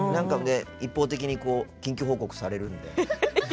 一方的に近況報告されるんで。